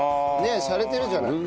えしゃれてるじゃない。